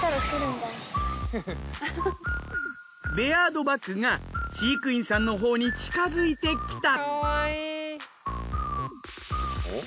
ベアードバクが飼育員さんのほうに近づいてきた。